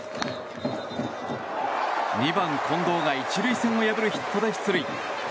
２番、近藤が１塁線を破るヒットで出塁。